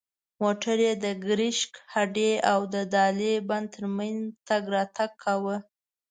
موټر یې د کرشک هډې او د هالې بند تر منځ تګ راتګ کاوه.